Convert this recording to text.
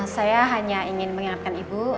saya hanya ingin mengingatkan ibu